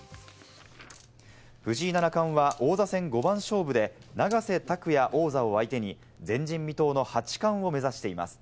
藤井七冠は王座戦五番勝負で永瀬拓矢王座を相手に前人未到の八冠を目指しています。